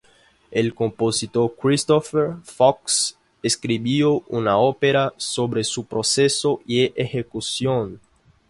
El compositor Christopher Fox escribió una ópera sobre su proceso y ejecución